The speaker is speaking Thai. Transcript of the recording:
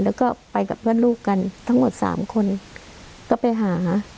แล้วก็ไปกับเพื่อนลูกกันทั้งหมดสามคนก็ไปหา